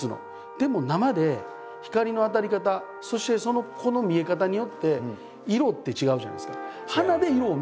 でも生で光の当たり方そしてこの見え方によって色って違うじゃないですか。